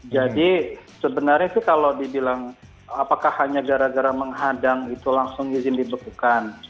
jadi sebenarnya sih kalau dibilang apakah hanya gara gara menghadang itu langsung izin dibekukan